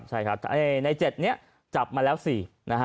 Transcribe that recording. ใช่ครับใน๗นี่จับมาแล้วสิ